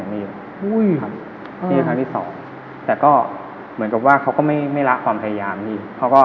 นี่ครับนี่ครั้งที่สองแต่ก็เหมือนกับว่าเขาก็ไม่ไม่ละความพยายามนี่เขาก็